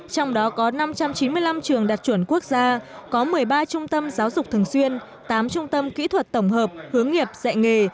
trong đó có năm trăm chín mươi năm trường đạt chuẩn quốc gia có một mươi ba trung tâm giáo dục thường xuyên tám trung tâm kỹ thuật tổng hợp hướng nghiệp dạy nghề